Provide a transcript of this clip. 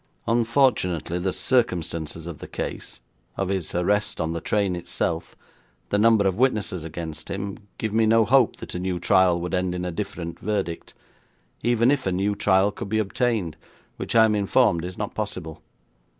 'Unfortunately, the circumstances of the case, of his arrest on the train itself, the number of witnesses against him, give me no hope that a new trial would end in a different verdict, even if a new trial could be obtained, which I am informed is not possible.